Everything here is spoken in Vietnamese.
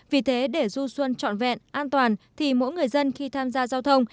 vì thế để du xuân trọn vẹn an toàn thì mỗi người dân khi tham gia giao thông